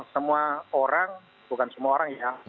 semua orang bukan semua orang ya